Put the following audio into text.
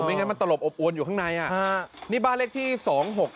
ไม่งั้นมันตลบอบอวนอยู่ข้างในอ่ะอ่านี่บ้านเลขที่สองหก